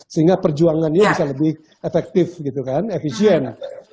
sehingga perjuangannya bisa lebih efektif gitu kan efisien